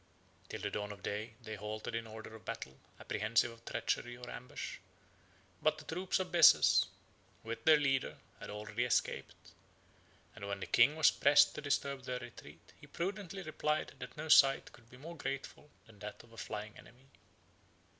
Till the dawn of day, they halted in order of battle, apprehensive of treachery or ambush; but the troops of Bessas, with their leader, had already escaped; and when the king was pressed to disturb their retreat, he prudently replied, that no sight could be more grateful than that of a flying enemy.